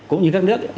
cũng như các nước ấy